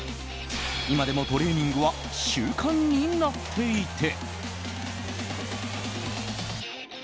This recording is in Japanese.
今でもトレーニングは習慣になっていて。